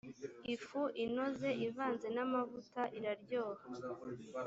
ifu inoze ivanze n amavuta iraryoha